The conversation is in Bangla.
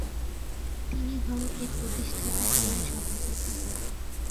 তিনি হন এর প্রতিষ্ঠাতাকালীন সভাপতি।